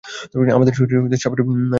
আমাদের শরীরে সাপের বিষ কাজ করে না।